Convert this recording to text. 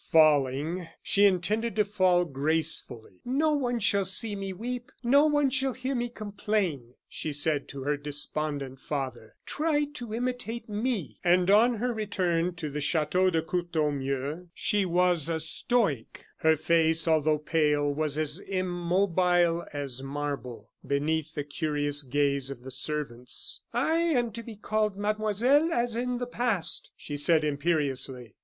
Falling, she intended to fall gracefully. "No one shall see me weep; no one shall hear me complain," she said to her despondent father; "try to imitate me." And on her return to the Chateau de Courtornieu, she was a stoic. Her face, although pale, was as immobile as marble, beneath the curious gaze of the servants. "I am to be called mademoiselle as in the past," she said, imperiously.